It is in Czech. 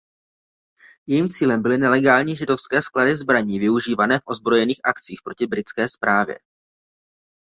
Jejím cílem byly nelegální židovské sklady zbraní využívané v ozbrojených akcích proti britské správě.